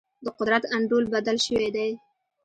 د قدرت انډول بدل شوی دی.